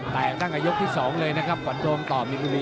แตกตั้งแต่ยกที่สองเลยหวันโดมต่อมินมิ